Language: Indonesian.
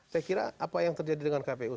saya kira apa yang terjadi dengan kpu